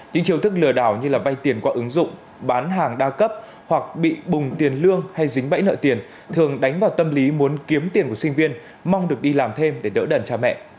những chiêu thức lừa đảo như vay tiền qua ứng dụng bán hàng đa cấp hoặc bị bùng tiền lương hay dính bẫy nợ tiền thường đánh vào tâm lý muốn kiếm tiền của sinh viên mong được đi làm thêm để đỡ đần cha mẹ